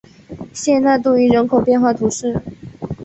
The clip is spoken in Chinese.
谢讷杜伊人口变化图示